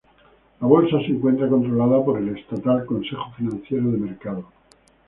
La bolsa se encuentra controlada por el estatal Consejo Financiero de Mercado.